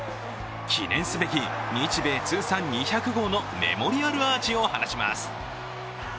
記念すべき日米通算２００号のメモリアルアーチを放ちます。